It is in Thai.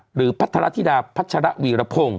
หรือพระธราธิดาพระชะระวีรพงศ์